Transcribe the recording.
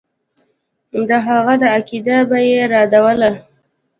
د هغه دا عقیده به یې ردوله.